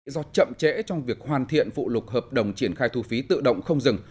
do chậm trễ trong việc hoàn thiện vụ lục hợp đồng triển khai thu phí tự động không dừng